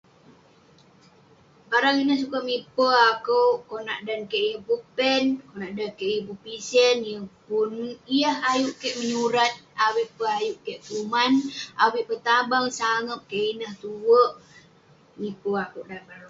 Barang ineh sukat miper akouk konak dan kik yeng pun pen, konak dan kik yeng pun pisen, yeng pun yah ayuk kek menyurat, avik peh ayuk kek kuman, avik peh tabang sangep kek. Ineh tue miper akouk. [unintelligible]